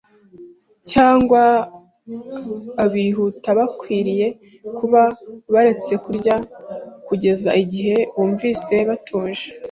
cyangwa abihuta bakwiriye kuba baretse kurya kugeza igihe bumvise batuje,